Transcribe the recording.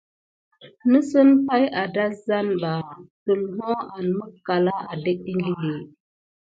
Nəsəŋ pay adazaneba tulho an mikalà adéke ékili.